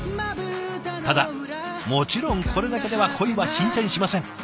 ただもちろんこれだけでは恋は進展しません。